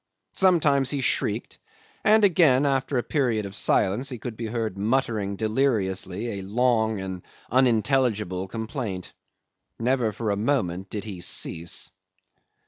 Sometimes he shrieked, and again, after a period of silence, he could be heard muttering deliriously a long and unintelligible complaint. Never for a moment did he cease.